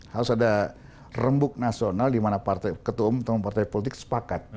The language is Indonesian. harus ada rembuk nasional di mana ketua umum partai politik sepakat